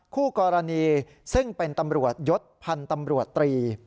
คู่กรณีซึ่งเป็นตำรวจยศพันธ์ตำรวจตรี